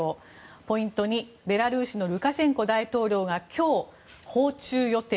ポイント２、ベラルーシのルカシェンコ大統領が今日、訪中予定。